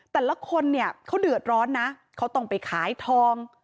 แต่ละคนเนี่ยเขาเดือดร้อนนะเขาต้องไปขายทอง